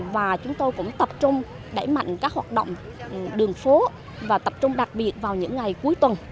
và chúng tôi cũng tập trung đẩy mạnh các hoạt động đường phố và tập trung đặc biệt vào những ngày cuối tuần